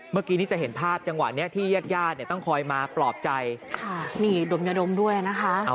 เมื่อกี้นี่จะเห็นภาพจังหวะเนี่ยที่แยกญาติต้องคอยมาปลอบใจดมยาดมด้วยนะคะ